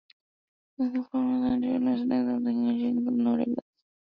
These are the formats and track listings of major single releases of "No Regrets".